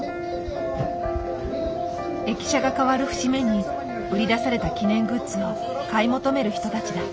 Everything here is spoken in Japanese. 駅舎が変わる節目に売り出された記念グッズを買い求める人たちだ。